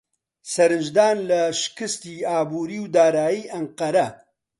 سەرنجدان لە شکستی ئابووری و دارایی ئەنقەرە